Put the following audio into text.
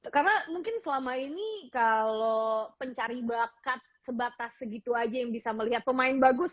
karena mungkin selama ini kalau pencari bakat sebatas segitu aja yang bisa melihat pemain bagus